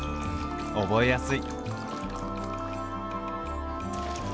覚えやすい！